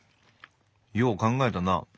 よう考えたな。